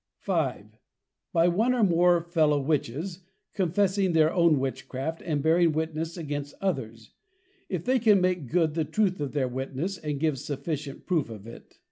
V. By one or more Fellow Witches, Confessing their own Witchcraft, and bearing Witness against others; if they can make good the Truth of their Witness, and give sufficient proof of it.